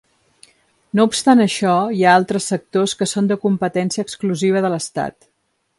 No obstant això, hi ha altres sectors que són de competència exclusiva de l'Estat.